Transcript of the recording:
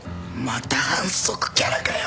また反則キャラかよ！